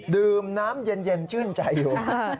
ดื่มน้ำเย็นชื่นใจอยู่